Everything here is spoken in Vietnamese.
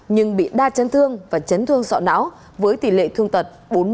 nhưng bị đa chấn thương và chấn thương sọ não với tỷ lệ thương tật bốn mươi